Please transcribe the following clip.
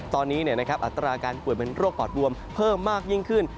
ตอนนี้อัตราการป่วยเป็นโรคปอดบวมเพิ่มมากยิ่งขึ้น